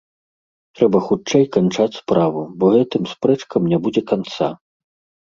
Трэба хутчэй канчаць справу, бо гэтым спрэчкам не будзе канца.